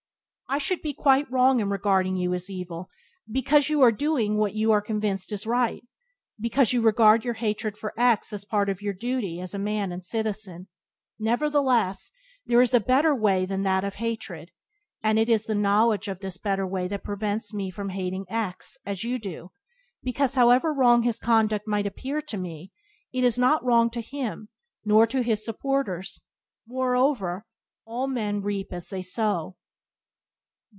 I should be quite wrong in regarding you as evil, because you are doing what you are convinced is right, because you regard your hatred for X as part of your duty as a man and a citizen; nevertheless, there is a better way than that of hatred, and it is the knowledge of this better way that prevents me from hating X as you do, because however wrong his conduct might appear to me, it is not wrong to him nor to his supporters; moreover, all men reap as they sow.